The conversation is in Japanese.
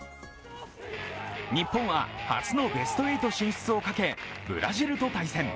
日本は初のベスト８進出を懸け、ブラジルと対戦。